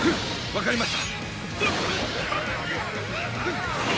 わかりました。